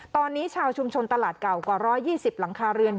ตอนนี้ชาวชุมชนตลาดเก่ากว่า๑๒๐หลังคาเรือน